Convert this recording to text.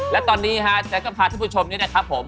และตอนนี้ฮะแจ๊กก็พาท่านผู้ชมนี้นะครับผม